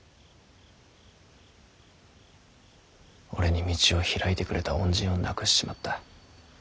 俺に道を開いてくれた恩人を亡くしちまった。